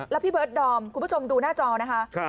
แล้วพี่เบิร์ดดอมคุณผู้ชมดูหน้าจอนะคะ